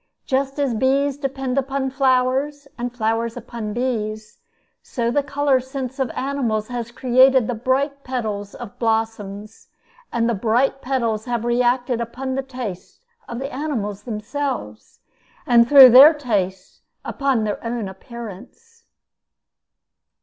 Just as bees depend upon flowers, and flowers upon bees, so the color sense of animals has created the bright petals of blossoms; and the bright petals have reacted upon the tastes of the animals themselves, and through their tastes upon their own appearance.